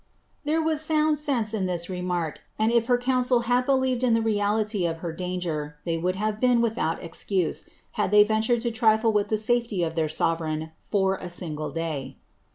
"* There was sound sense in this remark, and if her council had believed in the reality of her danger, they would have been without excuse, had they ventaied to trifle with the safety of their sovereign for a single dty.